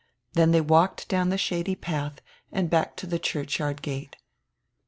Then they walked down the shady path and back to the churchyard gate.